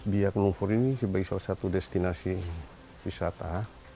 biak lumpur ini sebagai salah satu destinasi wisata